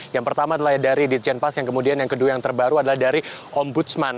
yang pertama adalah dari ditjenpas yang kemudian yang kedua yang terbaru adalah dari ombudsman